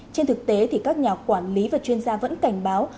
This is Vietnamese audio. trên thực tế thì các nhà quản lý và chuyên gia vẫn cảnh báo